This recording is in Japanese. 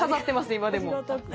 今でも。